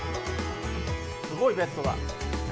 すごいベッドだ。